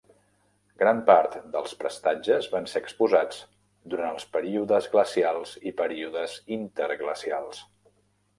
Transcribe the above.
Gran part dels prestatges van ser exposats durant els períodes glacials i períodes interglacials.